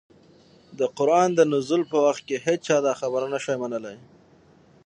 د قرآن د نزول په وخت كي هيچا دا خبره نه شوى منلى